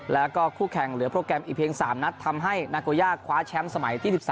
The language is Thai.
แล้วก็คู่แข่งเหลือโปรแกรมอีกเพียง๓นัดทำให้นาโกย่าคว้าแชมป์สมัยที่๑๓